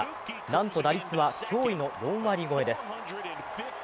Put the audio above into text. なんと打率は驚異の４割超えです。